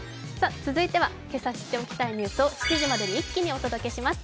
続いては、今朝知っておきたいニュースを７時までに一気にお届けします。